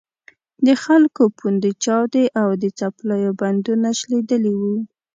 د خلکو پوندې چاودې او د څپلیو بندونه شلېدلي وو.